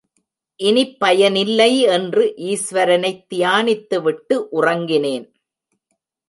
இனிப் பயனில்லை என்று ஈஸ்வரனைத் தியானித்துவிட்டு உறங்கினேன்.